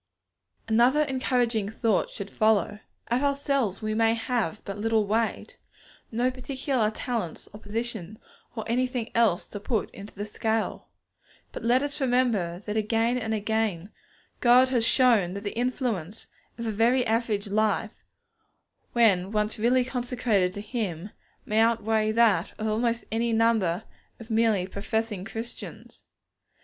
Another encouraging thought should follow. Of ourselves we may have but little weight, no particular talents or position or anything else to put into the scale; but let us remember that again and again God has shown that the influence of a very average life, when once really consecrated to Him, may outweigh that of almost any number of merely professing Christians.